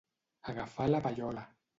Agafar la pallola.